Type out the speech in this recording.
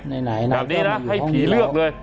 แบบนี้นะให้ผีเลือกเลย